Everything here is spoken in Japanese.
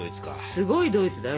すごいドイツだよ